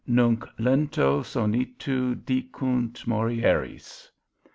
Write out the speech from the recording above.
NUNC LENTO SONITU DICUNT, MORIERIS.